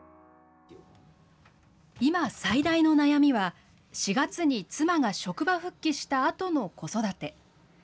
今、最大の悩みは、４月に妻が職場復帰したあとの子育て。